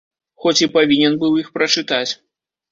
Хоць і павінен быў іх прачытаць.